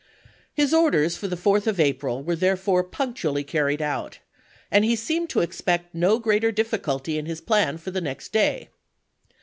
His orders for the 4th of April were therefore punctually carried out, and 1862. he seemed to expect no greater difficulty in his plan for the next day.